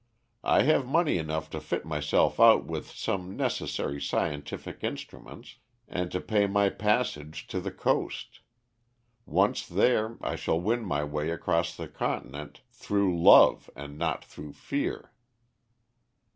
I have money enough to fit myself out with some necessary scientific instruments, and to pay my passage to the coast. Once there, I shall win my way across the Continent through love and not through fear."